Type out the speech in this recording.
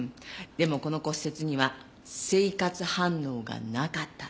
でもこの骨折には生活反応がなかった。